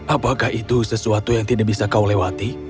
apakah itu sesuatu yang tidak bisa kau lewati